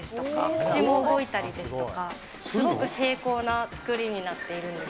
口も動いたりですとか、すごく精巧な作りになっているんです。